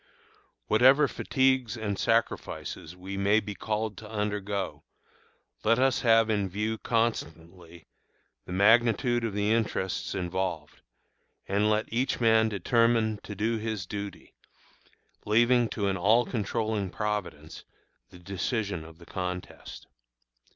Whatever fatigues and sacrifices we may be called to undergo, let us have in view constantly the magnitude of the interests involved, and let each man determine to do his duty, leaving to an all controlling Providence the decision of the contest.